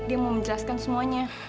dia mau menjelaskan semuanya